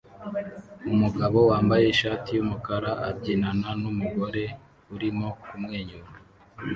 Umugabo wambaye ishati yumukara abyinana numugore urimo kumwenyura